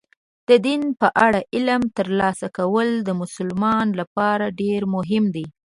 د دین په اړه علم ترلاسه کول د مسلمان لپاره ډېر مهم دي.